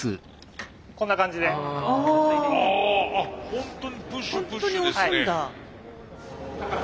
ホントにプッシュプッシュですね。